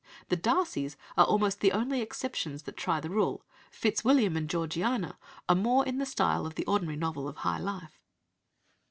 The Darcys are almost the only exceptions that try the rule; "Fitzwilliam" and "Georgiana" are more in the style of the ordinary novel of "high life."